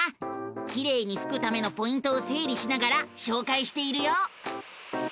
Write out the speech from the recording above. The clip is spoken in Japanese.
きれいにふくためのポイントをせいりしながらしょうかいしているよ！